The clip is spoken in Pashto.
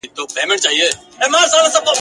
خره چی دا خبری واورېدې حیران سو !.